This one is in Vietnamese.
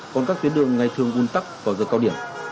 còn các tuyến đường ngày thường un tắc vào giờ cao điểm